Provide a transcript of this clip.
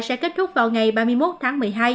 sẽ kết thúc vào ngày ba mươi một tháng một mươi hai